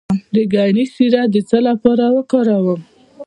د ګني شیره د څه لپاره وکاروم؟